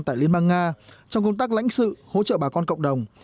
tại liên bang nga trong công tác lãnh sự hỗ trợ bà con cộng đồng